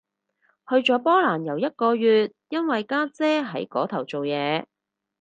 去咗波蘭遊一個月，因為家姐喺嗰頭做嘢